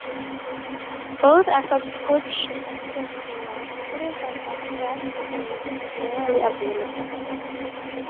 Both are subscription access journals, though some abstracts may be generally available.